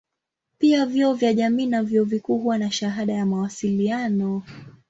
Pia vyuo vya jamii na vyuo vikuu huwa na shahada ya mawasiliano.